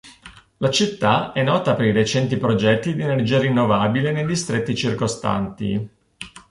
La città è nota per i recenti progetti di energia rinnovabile nei distretti circostanti.